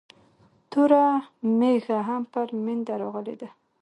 توره مېږه هم پر مينده راغلې ده